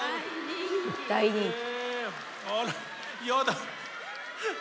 大人気！